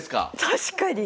確かに！